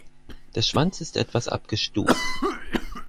Der Schwanz ist etwas abgestuft.